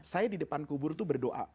saya di depan kubur itu berdoa